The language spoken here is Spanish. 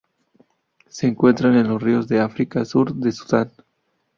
Se encuentran en ríos de África: sur de Sudán.